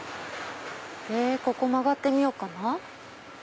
ここ曲がってみようかな。